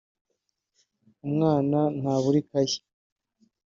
umwana ntabura ikayi